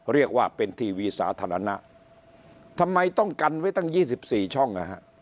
เรียกว่าเป็นทีวีสาธารณะทำไมต้องกันไว้ตั้ง๒๔ช่องนะฮะ